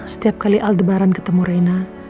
setiap aldebaran ketemu reina